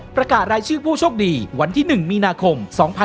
ประกาศรายชื่อผู้โชคดีวันที่๑มีนาคม๒๕๖๒